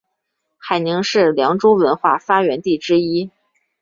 海宁是良渚文化发源地之一。